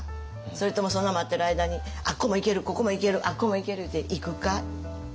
それともその待ってる間にあっこも行けるここも行けるあっこも行けるいうて行くか？